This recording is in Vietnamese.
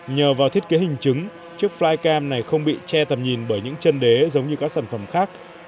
nhờ vào thiết kế hình chứng chiếc flycam này không bị che tầm nhìn bởi những chân đế giống như các sản phẩm khác